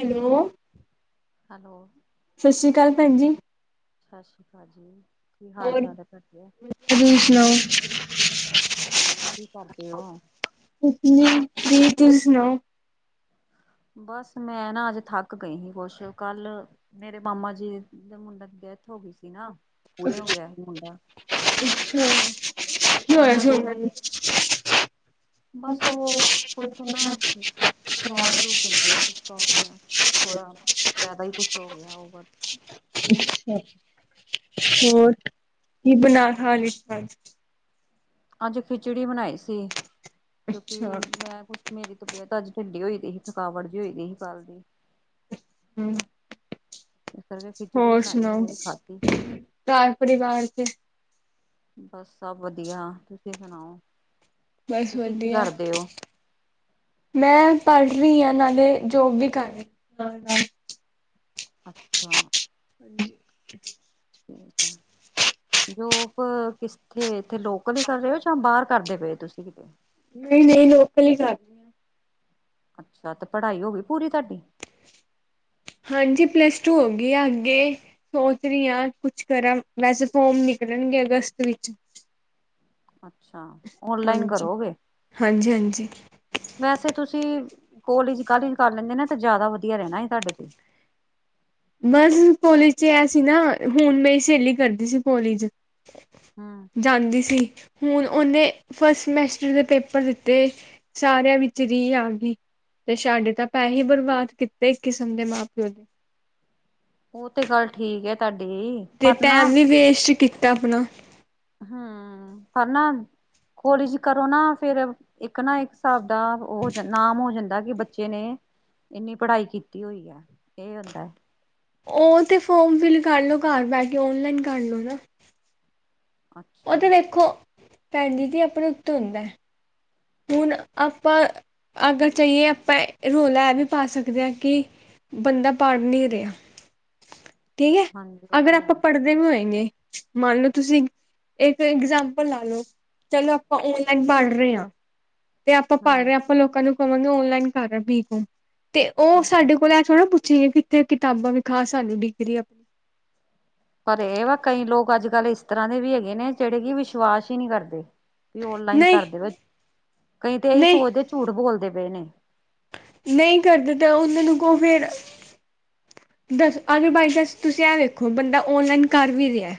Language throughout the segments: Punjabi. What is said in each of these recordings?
ਹੈਲੋ। ਹੈਲੋ। ਸਤਿ ਸ਼੍ਰੀ ਅਕਾਲ ਭੈਣ ਜੀ। ਸਤਿ ਸ਼੍ਰੀ ਅਕਾਲ ਜੀ। ਕੀ ਹਾਲ ਹੋਰ, ਚਾਲ ਹੈ ਤੁਹਾਡੇ ਤੁਸੀ ਸੁਣਾਓ? [inaudible] ਹੋਰ ਕੀ ਕਰਦੇ ਹੋ ਇਤਨੀ ਭੀ ਤੁਸ ਸੁਨਾਓ? ਬਸ ਮੈਂ ਨਾ ਅੱਜ ਥੱਕ ਗਈ ਈ ਕੁਛ। ਕੱਲ ਮੇਰੇ ਮਾਮਾ ਜੀ ਦੇ ਮੁੰਡਾ ਦੀ ਡੈਥ ਹੋ ਗਈ ਸੀ ਨਾ। ਪੂਰੇ ਹੋ ਅੱਛਾ। ਗਿਆ ਸੀ ਮੁੰਡਾ ਤੇ ਕੀ ਹੋਇਆ ਉਹਨਾਂ ਸੀ ਦੇ ਔਨਾ ਨੂੰ? ਬਸ ਉਹ ਕੁਛ ਨਾ ਸ਼ਰਾਬ-ਸ਼ਰੂਬ ਪੀਂਦੇ ਸੀ। ਥੋੜਾ ਕੁਛ ਜ਼ਿਆਦਾ ਹੀ ਕੁਛ ਹੋ ਗਿਆ ਔਵਰ। ਹੋਰ ਕੀ ਬਨਾ ਖਾ ਲਿਤਾਂ ਅੱਜ? ਅੱਜ ਖਿਚੜੀ ਬਨਾਈ ਸੀ। ਸੀ ਕਿਉਂਕਿ ਅੱਛਾ। ਮੈਂ ਕੁਛ ਮੇਰੀ ਤਬੀਯਤ ਅੱਜ ਢਿੱਲੀ ਹੋਈ ਦਿਹੀ। ਥਕਾਵਟ ਜਿਹੀ ਹੋਈ ਦੀ ਸੀ ਕੱਲ ਦੀ। ਹੂੰ। [inaudible] ਹੋਰ ਬਣਾਈ ਸੁਣਾਓ? ਉਹੀ ਖਾਧੀ ਘਰ ਪਰਿਵਾਰ ਚ ਬਸ ਸਭ ਵਧੀਆ। ਤੁਸੀਂ ਸੁਣਾਓ? ਬਸ ਤੁਸੀਂ ਕੀ ਵਧੀਆ ਕਰਦੇ ਹੋ ਮੈਂ ਪੜ ਰਹੀ ਆ ਨਾਲੇ ਜੋਬ ਵੀ ਕਰ ਰਈ ਆ ਨਾਲ-ਨਾਲ [inaudible] ਅੱਛਾ। [inaudible] ਠੀਕ ਆ ਜੋਬ ਕਿੱਸਥੇ ਇੱਥੇ ਲੋਕਲ ਹੀ ਕਰ ਰਹੇ ਹੋ। ਬਾਹਰ ਕਰਦੇ ਪਏ ਤੁਸੀਂ ਕਿਤੇ? ਨਹੀਂ-ਨਹੀਂ ਲੋਕਲ ਹੀ ਕਰ ਰਹੀ ਹਾਂ। ਅੱਛਾ ਤੇ ਪੜ੍ਹਾਈ ਹੋ ਗਈ ਪੂਰੀ ਤੁਹਾਡੀ? ਹਾਂਜੀ। ਪਲੱਸ ਟੂ ਹੋ ਗਈ ਆ। ਅੱਗੇ ਸੋਚ ਰਹੀ ਆ ਕੁਛ ਕਰਾਂ, ਵੈਸੇ ਫੋਰਮ ਨਿਕਲਣਗੇ ਅਗਸਤ ਵਿੱਚ ਅੱਛਾ ਓਨਲਾਈਨ ਹਾਂਜੀ, ਕਰੋਗੇ। ਹਾਂਜੀ-ਹਾਂਜੀ। ਵੈਸੇ ਤੁਸੀਂ ਕੋਲੀਜ ਕਾਲੇਜ ਕਰ ਲੈਂਦੇ ਨਾ ਤੇ ਜ਼ਿਆਦਾ ਵਧੀਆ ਰਹਿਣਾ ਇ ਤਾਡੇ ਲਈ। ਬਸ ਕੋਲੇਜ 'ਚ ਇਹ ਸੀ ਨਾ, ਹੁਣ ਮੇਰੀ ਸਹੇਲੀ ਕਰਦੀ ਸੀ ਕਾਲਿਜ ਹਮ ਜਾਂਦੀ ਸੀ। ਹੁਣ ਉਹਨੇ ਫਸਟ ਸਮੈਸਟਰ ਦੇ ਪੇਪਰ ਦਿੱਤੇ। ਸਾਰਿਆਂ ਵਿਚ ਰਿ ਆ ਗਈ। ਤੇ ਸ਼ਾਡੇ ਤਾਂ ਪੈਸੇ ਬਰਬਾਦ ਕੀਤੇ ਇੱਕ ਕਿਸਮ ਦੇ ਮਾਂ ਪਿਓ ਦੇ ਉਹ ਤੇ ਗੱਲ ਠੀਕ ਏ। ਤੇ ਟੈਮ ਵੀ ਵੇਸਟ ਕੀ ਤਾ ਅਪਣਾ ਹੂੰ ਪਰ ਨਾ ਕੋਲਿਜ ਕਰੋ ਨਾ ਫੇਰ ਇੱਕ ਨਾ ਇੱਕ ਸਾਬ ਉਹ ਨਾਮ ਹੋ ਜਾਂਦਾ ਕਿ ਬੱਚ ਬੱਚੇ ਨੇ ਇੰਨੀ ਪੜ੍ਹਾਈ ਕੀਤੀ ਹੋਈ ਆ। ਇਹ ਹੁੰਦਾ ਏ। ਉਹ ਤੇ ਫੋਰਮ ਫਿਲ ਕਰ ਲੋ ਘਰ ਬਹਿ ਕੇ, ਓਨਲਾਈਨ ਕਰ ਲੋ ਨਾ। ਉਹ ਅੱਛਾ ਤੇੇ ਵੇਖੋ ਭੈਣ ਜੀ- ਜੀ ਆਪਣੇ ਹੱਥ ਹੁੰਦਾ। ਹੁਣ ਆਪਾਂ ਅਗਰ ਜਾਈਏ ਆਪਾਂ ਰੌਲਾ ਇਹ ਵੀ ਪਾ ਸਕਦੇ ਹਾਂ ਕਿ ਬੰਦਾ ਪੜ੍ਹ ਨਹੀ ਰਿਹਾ। ਠੀਕ ਹੈ ਹਾਂਜੀ ਉਹ ਅਗਰ ਤੇ ਆਪਾਂ ਹੈ ਪੜ੍ਹਦੇ ਵੀ ਹੋਏਂਗੇ। ਮੰਨ ਲਓ ਤੁਸੀਂ ਇੱਕ ਇਗਜਾਮਪਲ ਲਾ ਲਓ ਚਲੋ ਆਪਾਂ ਓਨਲਾਈਨ ਪੜ ਰਹੇ ਹਾਂ। ਤੇ ਆਪਾਂ ਪੜ ਹਮ ਰਹੇ ਆਪਾਂ ਲੋਕਾਂ ਨੂੰ ਔਨ ਲਾਈਨ ਕਰ ਬੀਕੋਮ ਤੇ ਉਹ ਹਮ ਸਾਡੇ ਕੋਲ ਐ ਥੋੜ ਪੁਛ ਜਿ ਕਿਥੇ ਕਿਤਾਬਾਂ ਵੀਖਾ ਸਾਨੂੰ ਡਿਗਰੀ ਆਪਣੀ ਪਰ ਇਹ ਵਾ ਕਈ ਲੋਕ ਅੱਜ ਕੱਲ੍ਹ ਇਸ ਤਰ੍ਹਾਂ ਦੇ ਵੀ ਹੈਗੇ ਨੇ ਜਿਹੜੇ ਕਿ ਵਿਸ਼ਵਾਸ ਹੀ ਨਹੀ ਕਰਦੇ। ਵੀ ਔਨਲਾਈਨ ਨਹੀਂ ਕਰਦੇ ਵ ਕਈ ਤੇ ਇਹੀ ਨਹੀਂ ਸੋਚਦੇ ਝੂਠ ਬੋਲਦੇ [unintelligible] ਨਹੀ ਕਰਦੇ ਤਾਂ ਉਹਨਾਂ ਨੂੰ ਕੋ ਫਿਰ ਦੱਸ ਅਗ ਬਾਈ ਚਾਂਸ ਤੁਸੀਂ ਆ ਵੇਖੋ ਬੰਦਾ ਓਨਲਾਈਨ ਕਰ ਵੀ ਰਿਹਾ।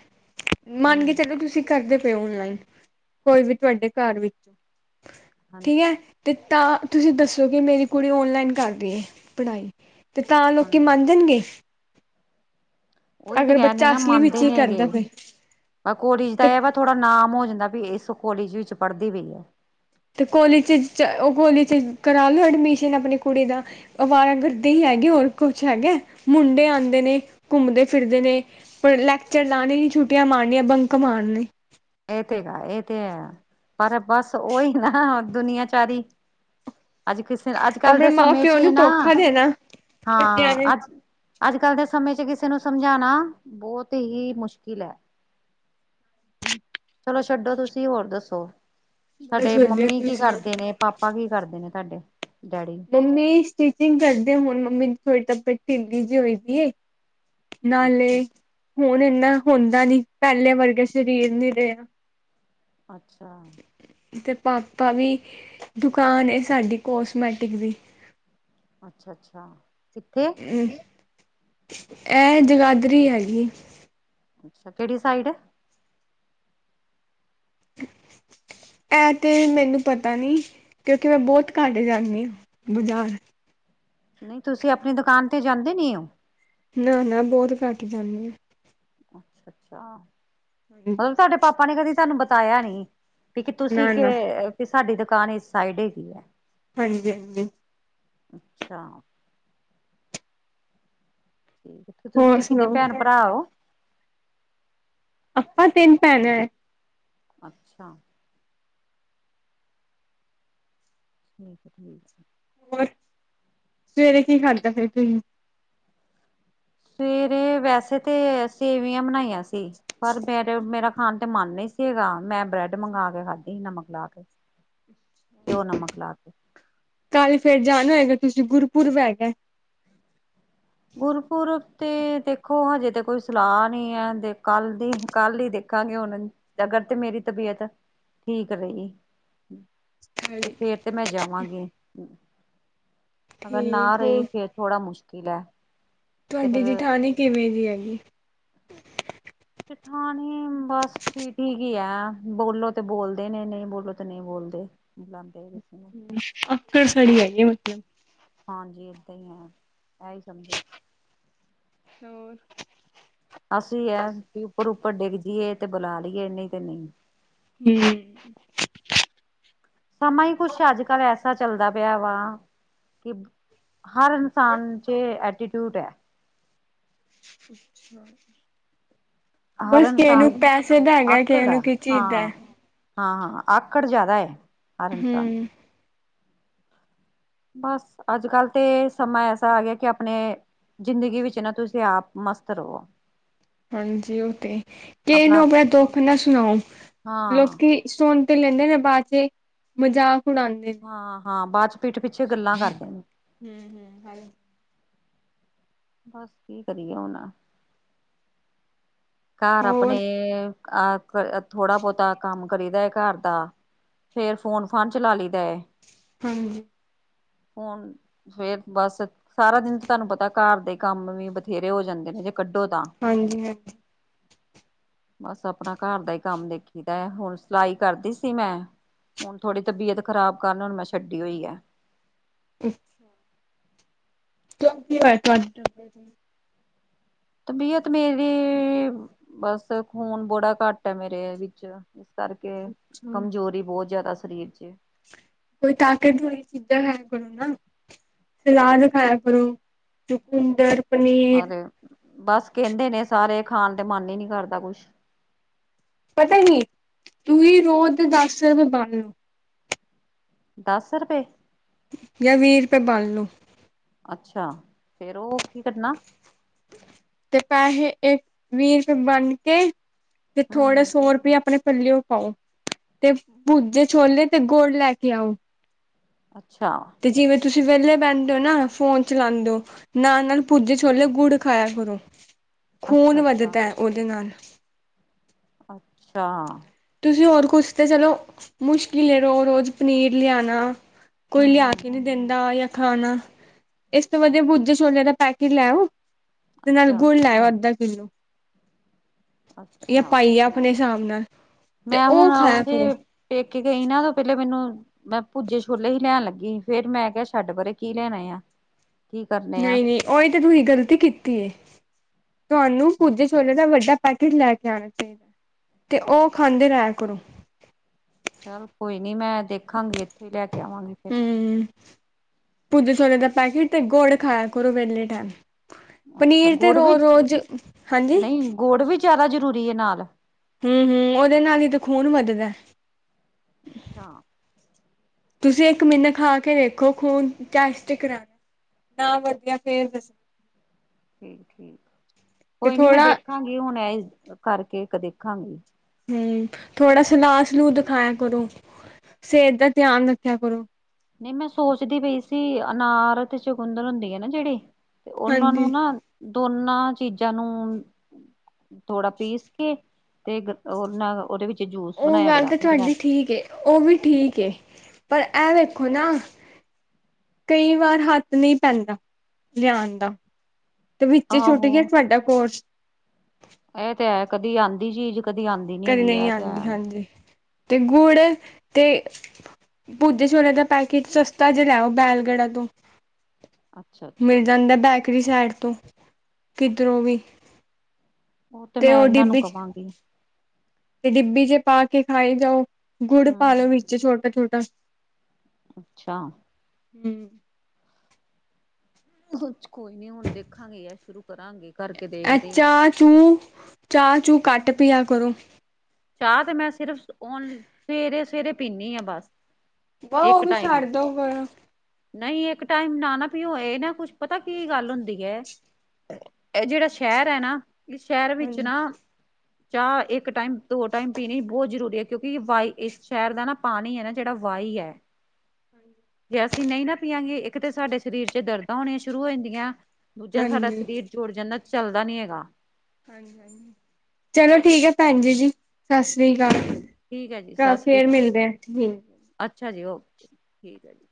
ਮੰਨ ਕੇ ਹਮ ਚਲੋ ਤੁਸੀਂ ਕਰਦੇ ਤੇ ਓਨਲਾਈਨ ਕੋਈ ਵੀ ਤੁਹਾਡੇ ਘਰ ਵਿੱਚ ਹਾਂਜੀ ਠੀਕ ਏ ਤੇ ਤਾਂ ਤੁਸੀਂ ਦੱਸੋ ਕਿ ਮੇਰੀ ਕੁੜੀ ਔਨਲਾਈਨ ਕਰ ਰਹੀ ਹੈ ਪੜ੍ਹਾਈ ਤੇ ਤਾਂ ਲੋਕੀ ਹਾਂਜੀ ਮਨ ਜਾਣ ਗੇ। ਉਹੀ ਤੇ ਕਹਿਣਦੇ ਬੱਚਾ ਨਾ ਅਸਲੀ ਵਿੱਚ ਮੰਨਦੇ ਹੀ ਨੇ ਕਰਦਾ ਹੈਗੇ ਪਏ ਆਗੂ ਰਿਸ਼ਤਾ ਤੇ ਇਹ ਹੈ। ਵੇ ਥੋੜਾ ਨਾਮ ਹੋ ਜਾਂਦਾ ਵੀ ਇਹ ਕੋਲੇਜ ਵਿੱਚ ਪੜ੍ਹਦੀ ਪਈ ਆ। ਤੇ ਕੋਲੇਜ ਚ ਉਹ ਦਾ ਕਰਾ ਲਓ ਐਡਮਿਸ਼ਨ ਆਪਣੀ ਕੁੜੀ ਦਾ ਅਵਾਰਾ ਗਿਰਦੀ ਹੀ ਹੈਗੇ ਹੋਰ ਕੁਛ ਹੈਗਾ ਮੁੰਡੇ ਆਉਂਦੇ ਨੇ ਘੁੰਮਦੇ ਫਿਰਦੇ ਨੇ ਪਰ ਲੈਕਚਰ ਲਾਉਣੇ ਹੀ ਛੁੱਟੀਆਂ ਮਾਰਨੀਆਂ ਬੰਕ ਮਾਰਨੇ। ਇਹ ਤੇ ਇਹ ਤੇ ਹੈ। ਪਰ ਬਸ ਓਹੀ ਨਾ ਦੁਨੀਆਂਚਾਰੀ ਅੱਜ ਕਿਸੇ ਅੱਜ ਕੱਲ੍ਹ ਆਪਣੇ ਦੇ ਮਾਂ ਸਮੇਂ ਚ ਪਿਓ ਇਹ ਨੂੰ ਨਾ ਧੋਖਾ ਦੇਣਾ ਬੱਚਿਆਂ ਨੇ ਹਾਂ ਅੱਜ ਅੱਜ ਕੱਲ੍ਹ ਦੇ ਸਮੇਂ ਚ ਕਿਸੇ ਨੂੰ ਸਮਝਾਉਣਾ ਬਹੁਤ ਹੀ ਮੁਸ਼ਕਿਲ ਹੈ। ਚਲੋ ਛੱਡੋ ਤੁਸੀਂ ਹੋਰ ਦੱਸੋ ਬਸ ਤੁਹਾਡੇ ਵਧੀਆ ਮੰਮੀ ਤੁਸੀਂ ਕੀ ਸੁਣਾਓ ਕਰਦੇ ਨੇ ਪਾਪਾ ਕੀ ਕਰਦੇ ਨੇ ਸਾਡੇ ਮੰਮੀ ਸਟਿਚਿੰਗ ਕਰਦੇ ਹੋੁਣ ਮੰਮੀ ਥੋੜੀ ਢਿੱਲੀ ਜਿ ਹੋਈ ਦੀ ਏ ਨਾਲੇ ਅੱਛਾ ਹੁਣ ਇੰਨਾ ਹੁੰਦਾ ਨੀ ਪਹਿਲੇ ਵਰਗੇ ਸਰੀਰ ਨੀ ਰਹੇ । ਅੱਛਾ ਅਤੇ ਪਾਪਾ ਵੀ ਦੁਕਾਨ ਏ ਸਾਡੀ ਕੋਸਮੈਟ ਡਿਗਰੀ ਅੱਛਾ ਅੱਛਾ ਕਿੱਥੇ ਕੀ ਐ ਜਗਾਧਰੀ ਆਈ ਕਿਹੜੀ ਸਾਈਡ ਮੈਂ ਤੇ ਮੈਨੂੰ ਪਤਾ ਨਹੀਂ ਬਹੁਤ ਘੱਟ ਜਾਂਦੀ ਆ ਬਾਜ਼ਾਰ। ਨਹੀਂ ਤੁਸੀਂ ਆਪਣੀ ਦੁਕਾਨ ਤੇ ਜਾਂਦੇ ਨਹੀਂ ਹੋ ਨਾ ਨਾ ਬਹੁਤ ਘੱਟ ਜਾਣੀ ਆ। ਅੱਛਾ ਹਾਂਜੀ ਅੱਛਾ ਸਾਡੇ ਪਾ ਉਹਣੇ ਕਦੀ ਤੁਹਾਨੂੰ ਬਤਾਇਆ ਨਹੀਂ। ਕਿ ਤੁਸੀਂ। ਨਾ ਨਾ ਤੁਹਾਡੀ ਦੁਕਾਨ ਇਸ ਸਾਈਡ ਹੈਗੀ ਹ ਹਾਂਜੀ। ਅਛਾ ਹੋਰ ਤੁਸੀਂ ਕਿੰਨੇ ਸੁਣਾਓ? ਭੈਣ ਭਰਾ ਹੋ। ਆਪਾਂ ਤਿੰਨ ਭੈਣਾਂ ਅੱਛਾ। [unintelligible] ਹੋਰ ਸਵੇਰੇ ਕੀ ਖਾਦਾ ਤੁਸੀ। ਤੇਰੇ ਵੈਸੇ ਤੇ ਅਸੀਂ ਸੇਵੀਆ ਬਣਾਈਆਂ ਸੀ। ਪਰ ਫਿਰ ਮੇਰਾ। ਹਾਂ ਤੇ ਮੈਂ ਬਰੈਡ ਮੰਗਾ ਕੇ ਖਾਦੀ ਨਮਕ ਲਾ ਕੇ ਘਿਓ ਨਮਕ ਲਾ ਕੇ। ਚਲ ਫਿਰ ਜਾਨ ਤਿਸੁ ਗੁਰਪੁਰਬ ਗੁਰ ਪੂਰਬ ਤੇ ਦੇਖੋ ਹਜੇ ਤੇ ਕੋਈ ਸਲਾਹ ਨਹੀਂ ਹਦੇ ਕੱਲ ਦੀ ਕੱਲ ਹੀ ਦੇਖਾਂਗੇ ਹੁਣ ਨਗਰ ਤੇ ਮੇਰੀ ਤਬੀਅਤ-ਠੀਕ ਰਹੀ ਤੇ ਮੈਂ ਜਾਵਾਂਗੀ ਅਗਰ ਨਾ ਠੀਕ ਹੋਰ ਰਹੀ ਫਿਰ ਥੋੜਾ ਮੁਸ਼ਕਿਲ [inaudible] ਫਿਰ ਤੁਹਾਡੀ ਜਠਾਣੀ ਕਿਵੇਂ ਜੀ ਹੈਗੀ ਜਠਾਣੀ ਬੱਸ ਠੀਕ ਕੀ ਆ ਬੋਲੋ ਤੇ ਬੋਲਦੇ ਨੇ ਨਹੀਂ ਬੋਲੋ ਤੇ ਨਹੀਂ ਬੋਲਦੇ ਬੁਲਾਉਂਦੇ ਕਿਸੇ ਨੂੰ [unintelligible] [inaudible] ਹਾਂਜੀ ਇਦਾ ਹੀ ਆ ਐ ਸਮਝੋ ਅਸੀਂ ਉੱਪਰ ਉੱਪਰ ਡਿੱਗ ਜਾਈਏ ਤੇ ਬੁਲਾ ਲਈਏ ਇਨੀ ਤੇ ਨਹੀਂ [unintelligible] ਕੁਛ ਅੱਜਕੱਲ ਐਸਾ ਚਲਦਾ ਪਿਆ ਵਾ-ਹਰ ਇਨਸਾਨ ਚ ਐਟੀਟਿਊਡ ਹੈ [unintelligible] ਹਰ ਬਸ ਕਿਸੇ ਨੂੰ ਇਨਸਾਨ ਪੈਸੇ ਦਾ ਹੈਗਾ ਕਿਸੇ ਆਕੜ ਆ ਨੂੰ ਕੀ ਚਾਹੀਦਾ ਹਾਂ ਹਾਂ ਆਪਕਾ ਜਿਆਦਾ ਹੈ। [inaudible] ਹੂੰ ਬਸ ਅੱਜ ਕੱਲ੍ਹ ਤੇ ਸਮਾਂ ਐਸਾ ਆ ਗਿਆ ਕਿ ਆਪਣੇ ਜ਼ਿੰਦਗੀ ਵਿੱਚ ਨਾ ਤੁਸੀਂ ਆਪ ਮਸਤ ਰਹੋ ਹਾਂਜੀ ਉਹ ਤੇ ਕਿ ਇਹਨੂੰ ਆਪਣਾ ਦੁੱਖ ਨਾ ਸੁਣਾਓ ਹਾਂ ਲੋਕੀ ਸੁਣ ਤੇ ਲੈਂਦੇ ਨੇ ਬਾਅਦ ਚ ਮਜ਼ਾਕ ਉਡਾਂਦੇ ਨੇ। ਹਾਂ-ਹਾਂ ਬਾਅਦ ਚ ਪੀਟ ਪਿੱਛੇ ਗੱਲਾਂ ਕਰਦੇ ਨੇ ਬਸ ਕੀ ਕਰੀਏ ਹੁਣ ਘਰ ਆਪਣੇ ਹੋਰ ਅਹ ਥੋੜਾ ਬਹੁਤਾ ਕੰਮ ਕਰੀਦਾ ਘਰ ਦਾ ਫਿਰ ਫੋਨ ਫਾਨ ਚਲਾ ਲਈਦਾ ਹਾਂਜੀ ਹੁਣ ਫਿਰ ਬਸ ਸਾਰਾ ਦਿਨ ਤੇ ਤੁਹਾਨੂੰ ਪਤਾ ਘਰ ਦੇ ਕੰਮ ਵੀ ਬਥੇਰੇ ਹੋ ਜਾਂਦੇ ਨੇ ਜੇ ਕੱਢੋ ਤਾਂ ਹਾਂਜੀ-ਹਾਂਜੀ ਬਸ ਆਪਣਾ ਘਰ ਦਾ ਹੀ ਕੰਮ ਦੇਖੀ ਦਾ ਹੁਣ ਸਿਲਾਈ ਕਰਦੀ ਸੀ ਮੈਂ ਹੁਣ ਥੋੜੀ ਤਬੀਅਤ ਖ਼ਰਾਬ ਕਰਨ ਹੁਣ ਮੈਂ ਛੱਡੀ ਹੋਈ ਹੈ [inaudible] [unintelligible] ਤਬੀਅਤ ਮੇਰੀ ਬਸ ਖੂਨ ਬੜਾ ਘੱਟ ਹੈ ਮੇਰੇ ਵਿੱਚ ਕਰਕੇ ਕਮਜ਼ੋਰੀ ਬਹੁਤ ਜ਼ਿਆਦਾ ਫਰਿਜ ਚ ਕੋਈ ਤਾਕਤ ਵਾਲੀ ਚੀਜ਼ਾਂ ਖਾਇਆ ਕਰੋ ਨਾ ਸਲਾਦ ਖਾਇਆ ਕਰੋ ਚੁਕੁੰਦਰ ਹਾਂ ਪਨੀਰ ਬਸ ਕਹਿੰਦੇ ਨੇ ਸਾਰੇ ਖਾਣ ਤੇ ਮਨ ਹੀ ਨੀ ਕਰਦਾ ਕੁਛ ਪਤਾ ਏ ਕੀ ਤੁੂੰ ਹੀ ਰੋਤ ਦੱਸ ਬਾਨੋ ਦਸ ਰੁਪਏ ਜਾਂ ਵੀਹ ਰੁਪਏ ਬਣਲੋ ਅੱਛਾ ਫੇਰ ਉਹ ਕੀ ਕਰਨਾ ਤੇ ਪੈਸੇ ਇੱਕ ਵੀਹ ਰੁਪਏ ਬਣ ਕੇ ਤੇ ਹਮ ਥੋੜੇ ਹਮ ਸੋ ਰੁਪ ਆਪਣੇ ਪੱਲਿਓ ਪਾਓ ਤੇ ਭੂਜੇ ਛੋਲੇ ਤੇ ਗੋੜ ਲੈ ਕੇ ਆਓ ਅੱਛਾ। ਤੇ ਜਿਵੇਂ ਤੁਸੀਂ ਵਿਹਲੇ ਬਹਿੰਦੇ ਹੋ ਨਾ ਫ਼ੋਨ ਚਲਾਉਦੇ ਹੋ ਨਾਲ-ਨਾਲ ਪੁੱਜੇ ਛੋਲੇ ਗੁੜ ਖਾਇਆ ਕਰੋ ਅੱਛਾ ਖੂਨ ਅੱਛਾ ਵਧਦਾ ਹੈ ਉਹਦੇ ਨਾਲ ਅੱਛਾ ਤੁਸੀਂ ਹੋਰ ਕੁਛ ਤੇ ਚਲੋ ਮੁਸ਼ਕਿਲ ਲੈ ਰੋਜ਼ ਰੋਜ਼ ਪਨੀਰ ਲਿਆਉਣਾ ਕੋਈ ਹਮ ਲਿਆ ਹਮ ਕੇ ਨਹੀ ਦਿੰਦਾ ਜਾਂ ਖਾਣਾ ਇਸ ਤੋਂ ਵਧੀਆ ਬੁਜੇ ਛੋਲੇਆਂ ਦਾ ਪੈਕੇਟ ਲੈਓ ਤੇ ਨਾਲ ਅੱਛਾ ਗੁਲ ਲੇ ਆਓ ਅੱਧਰ ਕਿੱਲੋ ਇਹ ਅੱਛਾ ਪਾਈਏ ਆਪਣੇ [unintelligible] ਮੈਂ ਉਹ ਹੁਣ ਖਾਇਆ ਕਰੋ। ਉਥੇ ਪੇਕੇ ਇਹਨਾਂ ਤੋਂ ਪਹਿਲਾਂ ਮੈਨੂੰ ਮੈਂ ਭੂਜੇ ਛੋਲੇ ਹੀ ਲੈਣ ਲੱਗੀ ਫੇਰ ਮੈਂ ਕਿਹਾ ਛੱਡ ਪਰੇ ਕੀ ਲੈਣੇ ਆ। ਕੀ ਕਰਨੇ ਆ ਨਹੀਂ-ਨਹੀਂ ਓਹੀ ਤਾਂ ਤੁਹੀ ਗਲਤੀ ਕੀਤੀ ਏ। ਤੁਹਾਨੂੰ ਪੂਜੇ ਛੋਲੇ ਦਾ ਵੱਡਾ ਪੈਕੇਟ ਲੈ ਕੇ ਆਣਾ ਚਾਹੀਦਾ, ਤੇ ਉਹ ਖਾਂਦੇ ਰਆ ਕਰੋ। ਚੱਲ ਕੋਈ ਨੀ ਮੈਂ ਦੇਖਾਂਗੀ ਇੱਥੇ ਲੈ ਕੇ [unintelligible] ਪੁੂਜੇ ਛੋਲੇ ਦਾ ਪੈਕੇਟ ਤੇ ਗੋੜ ਖਾਇਆ ਕਰੋ ਵਿਹਲੇ ਟੈਮ। ਅੱਛਾ ਪਨੀਰ ਤੇ ਗੁੜ ਵੀ ਰੋਜ਼-ਰੋਜ਼, ਹਾਂਜੀ? ਨਹੀਂ ਗੁੜ ਵੀ ਜ਼ਿਆਦਾ ਜ਼ਰੂਰੀ ਹੈ ਨਾਲ? ਹਮ-ਹਮ ਉਹਦੇ ਨਾਲ ਹੀ ਤਾਂ ਖ਼ੂਨ ਵੱਧਦਾ। ਅੱਛਾ। ਤੁਸੀਂ ਇੱਕ ਮਿਨੇ ਖਾ ਕੇ ਦੇੇਖੋ, ਖੂਨ ਨਾ ਵਧੀਆ ਫੇਰ ਦੱਸ ਕੋਈ ਨੀ ਮੈਂ ਥੋੜਾ ਦੇਖਾਂਗੀ ਹੁਣ ਇਹ ਕਰਕੇ ਇੱਕ ਦੇਖਾਂਗੀ। ਹਮ ਥੋੜਾ ਸਲਾਹ ਸਲੂਦ ਦ ਖਾਇਆ ਕਰੋ, ਸਿਹਤ ਦਾ ਧਿਆਨ ਰੱਖਿਆ ਕਰੋ। ਨਹੀਂ ਮੈਂ ਸੋਚਦੀ ਪਈ ਸੀ ਅਨਾਰ ਅਤੇ ਚਕੁੰਦਰ ਹੁੰਦੀ ਹੈ ਨਾ ਜਿਹੜੀ। ਤੇ ਉਹਨਾਂ ਨੂੰ ਹਾਂਜੀ। ਨਾ ਦੋਨਾਂ ਚੀਜ਼ਾਂ ਨੂੰ ਥੋੜਾ ਪੀਸ ਕੇ ਤੇ ਗਤ ਉਹ ਨਾ ਉਹਦੇ ਵਿੱਚ ਜੂਸ ਉਹ ਬਣਾਇਆ ਗੱਲ ਤਾਂ ਕਰਾਂਗੇ ਤੁਹਾਡੀ ਗ੍ਰੈਂਡ ਠੀਕ, ਉਹ ਵੀ ਠੀਕ, ਪਰ ਇਹ ਵ ਦੇਖੋ ਨਾ ਕਈ ਵਾਰ ਹੱਥ ਨਹੀਂ ਪੈਂਦਾ ਲਿਆਉਣ ਦਾ ਤੇ ਵਿੱਚ ਛੁੱਟ ਆਹੋ ਗਿਆ ਤੁਹਾਡਾ ਕੋਰਸ। ਇਹ ਤੇ ਹੈ ਕਦੀ ਆਨ ਚੀਜ਼ ਕਦੀ ਆਉਂਦੀ ਨੀ ਕਰੀ ਹੈਗੀ ਨਹੀਂ ਇਹ ਤੇ ਆਂਦੀ ਹੈ। ਹਾਂਜੀ ਤੇ ਗੁੜ ਤੇ ਭੂਜੇ ਛੋਲੇ ਦਾ ਪੈਕੇਟ ਸਸਤਾ ਜਿਹਾ ਲੈਓ ਬੈਲਗੜ੍ਹਾ ਤੋਂ। ਅੱਛਾ-ਅੱਛਾ। ਮਿਲ [unintelligible] ਸਾਈਡ ਤੋਂ ਕਿਧਰੋਂ ਵੀ ਉਹ ਤੇ ਮੈਂ ਇਹਨਾਂ ਨੂੰ ਕਵਾਂਗੀ। ਤੇ ਡਿੱਬੀ ਜੇ ਪਾ ਕੇ ਖਾਏ ਜਾਓ। ਗੁੜ ਪਾਲੋ ਹਮ ਮਿਰ ਛੋਟਾ-ਛੋਟ ਦਸ ਅੱਛਾ। ਹੂੰ ਕੋਈ ਨੀ ਹੁਣ ਦੇਖਾਂਗੇ ਯਾਰ ਸ਼ੁਰੂ ਕਰਾਂਗੇ। ਕਰਕੇ ੲੈ ਦੇਖਦੇ ਹਾਂ ਚਾਹ-ਚੂਹ ਚਾਹ-ਚੂਹ ਘੱਟ ਪਿਆ ਕਰੋ। ਚਾਹ ਤੇ, ਮੈਂ ਸਿਰਫ ਔਨਲ ਸਵੇਰੇ-ਸਵੇਰੇ ਪੀਨੀ ਆ ਬਸ। ਵ ਉਹ ਇੱਕ ਵੀ ਟਾਈਮ ਛੱਡ ਦਓ, ਕੋਈ ਨਾ। ਨਹੀਂ, ਇੱਕ ਟਾਈਮ ਨਾ, ਨਾ ਨਾ ਪਿਓ। ਇਹ ਨਾ ਕੁਛ ਪਤਾ ਕੀ ਗੱਲ ਹੁੰਦੀ ਹੈ। ਇਹ ਜਿਹੜਾ ਸ਼ਹਿਰ ਹੈ ਨਾ ਇਸ ਸ਼ਹਿਰ ਵਿੱਚ ਹਾਂਜੀ ਨਾ ਚਾਹ ਇੱਕ ਟਾਈਮ ਦੋ ਟਾਈਮ ਪੀਣੀ ਬਹੁਤ ਜ਼ਰੂਰੀ ਏ। ਕਿਉਂਕਿ ਵਾ, ਇਸ ਸ਼ਹਿਰ ਦਾ ਨਾ ਪਾਣੀ ਹੈ ਨਾ ਜਿਹੜਾ ਵਾਂਹੀ ਏ। ਹਾਂਜੀ। ਅਸੀਂ ਨਹੀਂ ਨਾ ਪੀਆਂਗੇ, ਇੱਕ ਤਾਂ ਸਾਡੇ ਸ਼ਰੀਰ ਚ ਦਰਦਾਂ ਹੋਣੀਆਂ ਸ਼ੁਰੂ ਹੋ ਜਾਂਦੀਆਂ ਦੂਜਾ ਸਾਡਾ ਹਾਂਜੀ ਸਰੀਰ ਜੁੜ ਜਾਂਦਾ ਚੱਲਦਾ ਨੀ ਹੈਗਾ। ਹਾਂ, ਹਾਂ, ਚਲੋ ਠੀਕ ਏ ਭੈਣ ਜੀ ਜੀ। ਸ੍ਰੀ ਠੀਕ ਠੀਕ ਹੈ ਜੀ ਅਕਾਲ। ਸਤਿ ਸ੍ਰੀ ਫੇਰ ਅਕਾਲ ਮਿਲਦੇ, ਠੀਕ। ਅੱਛਾ ਜੀ, ਓਕੇ, ਠੀਕ ਹੈ ਜੀ।